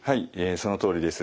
そのとおりです。